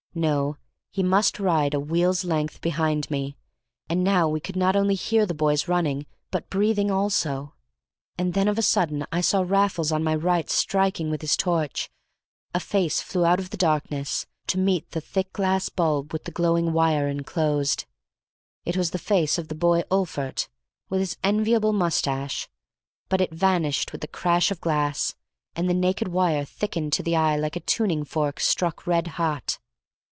No, he must ride a wheel's length behind me, and now we could not only hear the boys running, but breathing also. And then of a sudden I saw Raffles on my right striking with his torch; a face flew out of the darkness to meet the thick glass bulb with the glowing wire enclosed; it was the face of the boy Olphert, with his enviable moustache, but it vanished with the crash of glass, and the naked wire thickened to the eye like a tuning fork struck red hot.